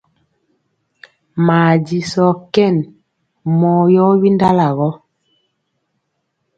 Maa jisɔɔ kɛn mɔɔ yɔ windala gɔ.